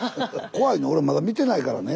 怖いの俺まだ見てないからね。